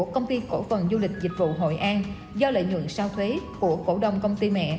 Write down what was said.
công ty cổ phần du lịch dịch vụ hội an do lợi nhuận sau thuế của cổ đông công ty mẹ